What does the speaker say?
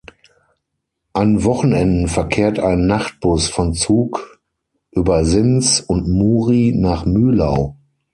An Wochenenden verkehrt ein Nachtbus von Zug über Sins und Muri nach Mühlau.